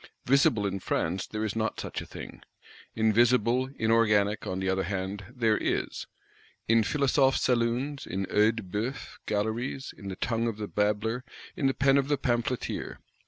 Visible in France there is not such a thing. Invisible, inorganic, on the other hand, there is: in Philosophe saloons, in Œil de Bœuf galleries; in the tongue of the babbler, in the pen of the pamphleteer.